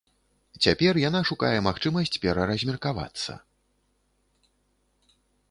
Цяпер яна шукае магчымасць пераразмеркавацца.